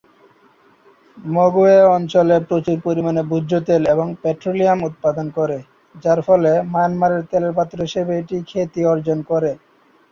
Mogwe অঞ্চল প্রচুর পরিমাণে ভোজ্য তেল এবং পেট্রোলিয়াম উৎপাদন করে, যার ফলে মায়ানমারের তেলের পাত্র হিসেবে এটি খ্যাতি অর্জন করে।